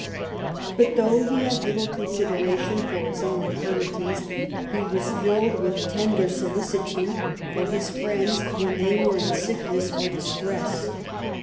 But though he had little consideration for his own infirmities, he was filled with tender solicitude for his friends when they were in sickness or distress.